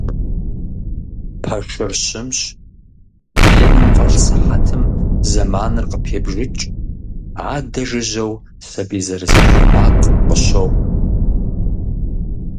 Пэшыр щымщ, блыным фӏэлъ сыхьэтым зэманыр къыпебжыкӏ, адэ жыжьэу сэбий зэрызехьэ макъ къыщоӏу.